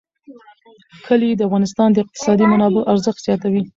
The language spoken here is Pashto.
کلي د افغانستان د اقتصادي منابعو ارزښت زیاتوي.